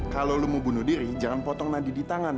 kalau lo mau bunuh diri jangan potong nadi di tangan